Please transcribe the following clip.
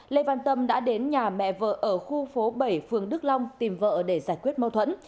lê văn tâm đã đến nhà mẹ vợ ở khu phố bảy phường đức long tìm vợ để giải quyết mâu thuẫn